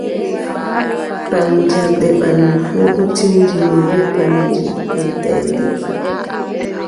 Paddirɗe ɓanndu fuu ɗon tinndine bee : Paddirɗe daydetee.